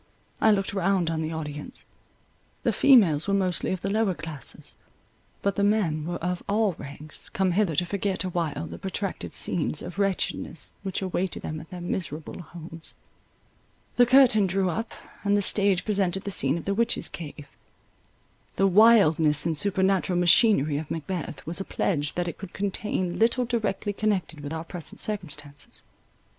I looked round on the audience; the females were mostly of the lower classes, but the men were of all ranks, come hither to forget awhile the protracted scenes of wretchedness, which awaited them at their miserable homes. The curtain drew up, and the stage presented the scene of the witches' cave. The wildness and supernatural machinery of Macbeth, was a pledge that it could contain little directly connected with our present circumstances.